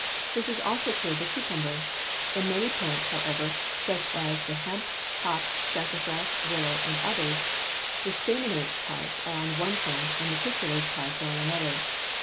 This is also true of the cucumber (see Fig. 35). In many plants, however, such as the hemp, hop, sassafras, willow, and others, the staminate parts are on one plant and the pistillate parts are on another.